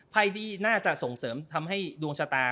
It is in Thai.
ภัยดีน่าจะส่งเสริมทำให้ดวงชะตา